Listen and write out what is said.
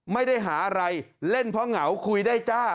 ไม่ได้หาอะไรเล่นเพราะเหงาคุยได้จ้า